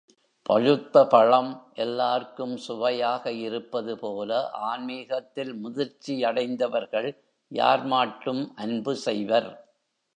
பழுத்தபழம் எல்லார்க்கும் சுவையாக இருப்பதுபோல ஆன்மீகத்தில் முதிர்ச்சி அடைந்தவர்கள் யார் மாட்டும் அன்பு செய்வர்.